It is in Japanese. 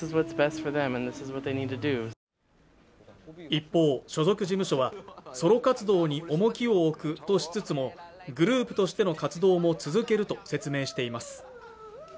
一方所属事務所はソロ活動に重きを置くとしつつもグループとしての活動も続けると説明しています